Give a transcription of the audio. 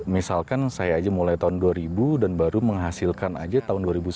misalkan saya aja mulai tahun dua ribu dan baru menghasilkan aja tahun dua ribu sepuluh